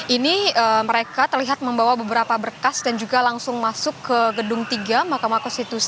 ini mereka terlihat membawa beberapa berkas dan juga langsung masuk ke gedung tiga mahkamah konstitusi